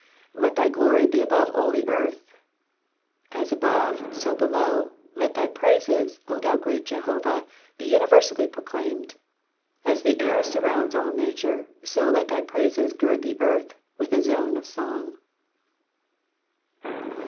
^^Let thy glory be above all the earth."* ^ As above, so below, let thy praises, O thou great Jehovah, be universally proclaimed. As the air surrounds all nature, so let thy praises gird the eai*th with a zone of song.